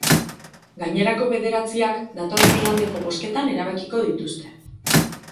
Gainerako bederatziak datorren igandeko bozketan erabakiko dituzte.